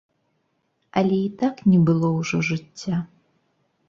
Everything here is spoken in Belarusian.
Але і так не было ўжо жыцця.